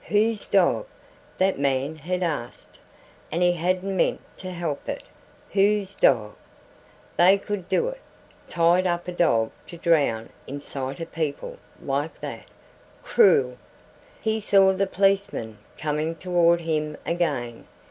"Whose dog " that man had asked and he hadn't meant to help it "whose dog!" They could do it tie up a dog to drown in sight of people like that cruel. He saw the policeman coming toward him again.